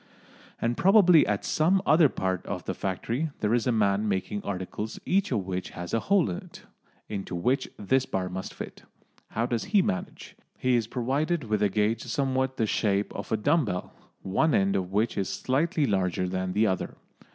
And probably at some other part of the factory there is a man making articles each of which has a hole in it, into which this bar must fit. How does he manage? He is provided with a gauge somewhat the shape of a dumb bell, one end of which is slightly larger than the other.